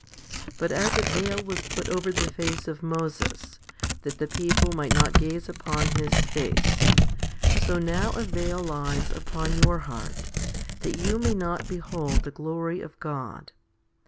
But as a veil was put over the face of Moses, that the people might not gaze upon his face, so now a veil lies upon your heart, that you may not behold the glory of God.